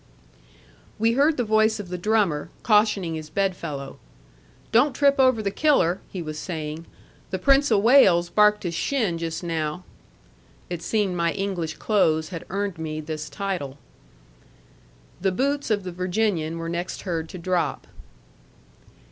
We heard the voice of the drummer, cautioning his bed fellow. "Don't trip over the Killer," he was saying. "The Prince of Wales barked his shin just now." It seemed my English clothes had earned me this title. The boots of the Virginian were next heard to drop.